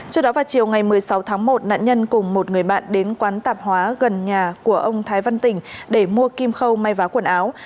trước đó vào chiều ngày một mươi sáu tháng một nạn nhân cùng một người bạn đến quán tạp hóa gần nhà của ông thái văn tỉnh để mua kim khâu may vá quần áo